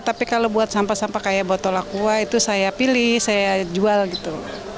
tapi kalau buat sampah sampah kayak botol aqua itu saya pilih saya jual gitu